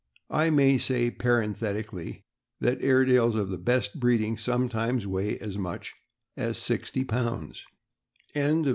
I may say, parenthetically, that Airedales of the best breeding sometimes weigh as much as sixty pounds.